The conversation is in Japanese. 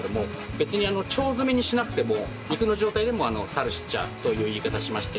別に腸詰めにしなくても肉の状態でもサルシッチャという言い方しまして。